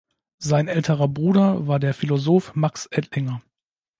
Sein älterer Bruder war der Philosoph Max Ettlinger.